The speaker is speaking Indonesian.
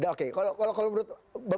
oke kalau menurut anda